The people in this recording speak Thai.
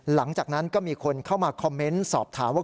หลังจากนั้นก็มีคนเข้ามาคอมเมนต์สอบถามว่า